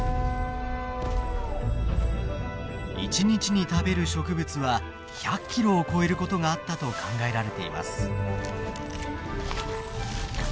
一日に食べる植物は１００キロを超えることがあったと考えられています。